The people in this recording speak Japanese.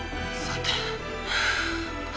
さて。